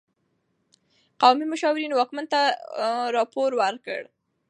قومي مشاورین واکمن ته راپور ورکړ.